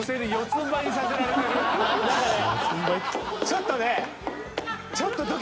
「ちょっとね」